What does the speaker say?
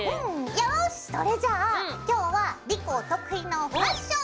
よしそれじゃあ今日は莉子お得意のファッション！